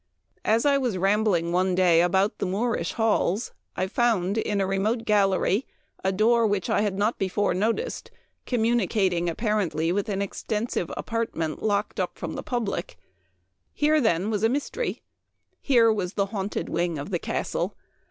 " As I was rambling one day about the Moor ish halls, I found, in a remote gallery, a door which I had not before noticed, communicating apparently with an extensive apartment locked up from the public. Here, then, was a mystery. Here was the haunted wing of the castle.